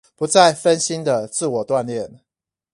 不再分心的自我鍛鍊